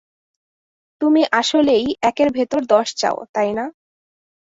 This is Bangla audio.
তুমি আসলেই একের ভেতরে দশ চাও, তাই না?